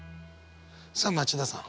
さあ町田さん。